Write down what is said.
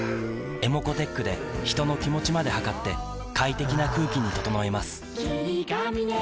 ｅｍｏｃｏーｔｅｃｈで人の気持ちまで測って快適な空気に整えます